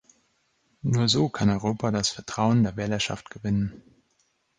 Nur so kann Europa das Vertrauen der Wählerschaft gewinnen.